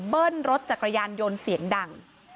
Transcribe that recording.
เบิ้ลรถจักรยานยนต์เสียงดัง